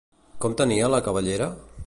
Com tenia la cabellera?